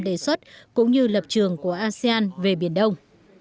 đề xuất cũng như lập trường của asean về biển đông